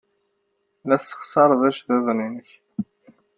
La tessexṣared iceḍḍiḍen-nnek.